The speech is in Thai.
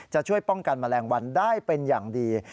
ช่วยป้องกันแมลงวันได้เป็นอย่างดี